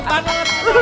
sekarang mirip banget